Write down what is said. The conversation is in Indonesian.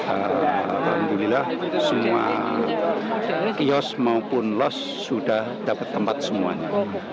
alhamdulillah semua kios maupun los sudah dapat tempat semuanya